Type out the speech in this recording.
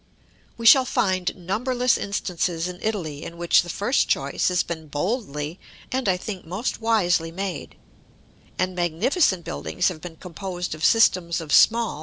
We shall find numberless instances in Italy in which the first choice has been boldly, and I think most wisely made; and magnificent buildings have been composed of systems of small but perfect shafts, multiplied and superimposed.